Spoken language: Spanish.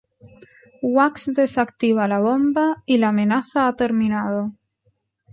Wax desactiva la bomba y la amenaza ha terminado.